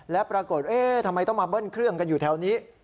และปรากฏทำไมต้องมาเบิ้ลเครื่องกันอยู่แถวนี้